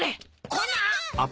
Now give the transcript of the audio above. コナン君！